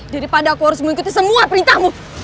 daripada aku harus mengikuti semua perintahmu